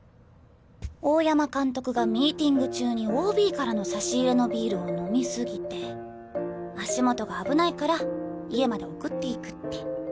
大山監督がミーティング中にＯＢからの差し入れのビールを飲み過ぎて足元が危ないから家まで送って行くって。